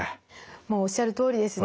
もうおっしゃるとおりですね。